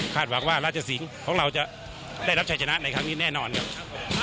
ขาดหวังว่าราชสิงฯของเราจะได้รับชัยจันทร์แน่นอนนะครับ